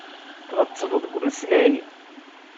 Tɣettbeḍ deg umeslay.